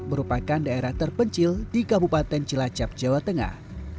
merupakan daerah terpencil di kabupaten cilacap jawa tengah